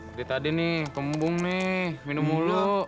seperti tadi nih kembung nih minum mulu